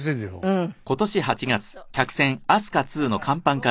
うん。